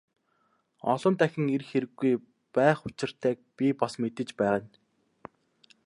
Олон дахин ирэх хэрэггүй байх учиртайг би бас мэдэж байна.